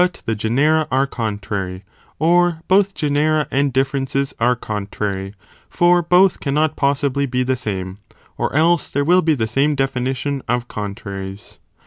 the genera are contrary, or both genera and differences are contrary, for both cannot possibly be the same, or else there will be the same definition of contraries.